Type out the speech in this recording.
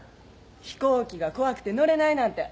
「飛行機が怖くて乗れない」なんて。